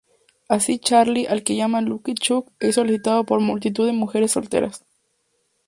Así Charlie, al que llaman "Lucky Chuck", es solicitado por multitud de mujeres solteras.